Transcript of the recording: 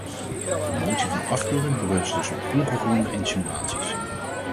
De motie van afkeuring berust dus op ongegronde insinuaties.